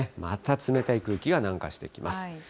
また冷たい空気が南下してきます。